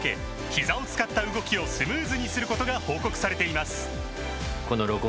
ひざを使った動きをスムーズにすることが報告されています